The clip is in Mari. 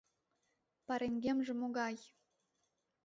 — Пареҥгемже могай!